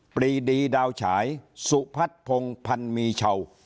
ปรีดีดาวฉายสุพัฒน์พงศ์พันมีเช่า